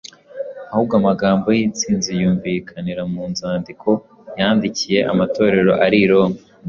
Ahubwo amagambo y’insinzi yumvikanira mu nzandiko yandikiye amatorero ari i Roma